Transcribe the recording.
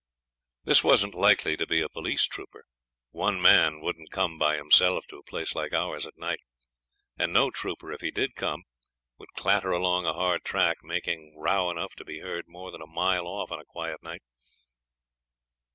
This wasn't likely to be a police trooper. One man wouldn't come by himself to a place like ours at night; and no trooper, if he did come, would clatter along a hard track, making row enough to be heard more than a mile off on a quiet night.